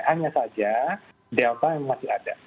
hanya saja delta yang masih ada